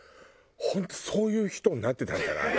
本当そういう人になってたんじゃない？